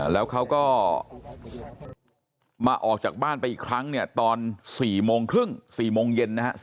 แล้วเขาก็มาออกจากบ้านไปอีกครั้งเนี่ยตอน๔โมงครึ่ง๔โมงเย็นนะครับ